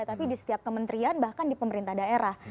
tapi di setiap kementerian bahkan di pemerintah daerah